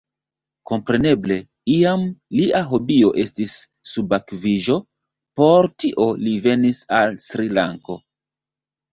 Kompreneble, iam lia hobio estis subakviĝo: por tio li venis al Sri-Lanko.